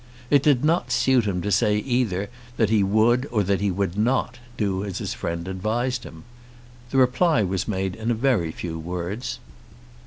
It did not suit him to say either that he would or that he would not do as his friend advised him. The reply was made in a very few words.